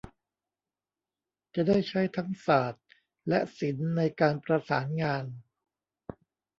จะได้ใช้ทั้งศาสตร์และศิลป์ในการประสานงาน